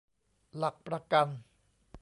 หลักประกัน